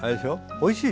おいしい。